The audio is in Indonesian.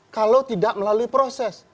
kalau tidak melalui proses